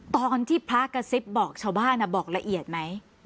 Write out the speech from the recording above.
ตอนที่พระกระซิบบอกชาวบ้านบอกละเอียดไหม